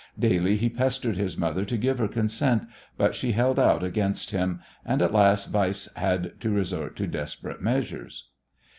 Daily he pestered his mother to give her consent, but she held out against him, and at last Weiss had to resort to desperate measures.